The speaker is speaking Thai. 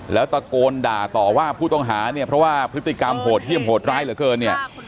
แล้วตะโกนด่าต่อว่าผู้ต้องหาเนี่ยเพราะว่าพฤติกรรมโหดเยี่ยมโหดร้ายเหลือเกินเนี่ย